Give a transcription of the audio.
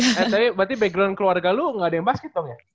eh tapi berarti background keluarga lu nggak ada yang basket dong ya